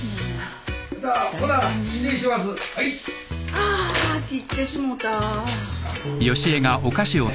あーあ切ってしもうた。